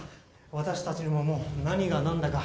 私たちにももう何が何だか。